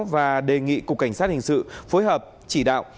và đề nghị cục cảnh sát hình sự phối hợp chỉ đạo